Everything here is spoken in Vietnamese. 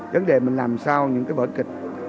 vấn đề mình làm sao những cái vợn kịch